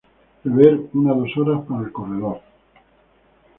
Prever unas dos horas para el corredor.